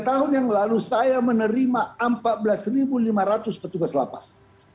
tahun yang lalu saya menerima empat belas lima ratus petugas lapas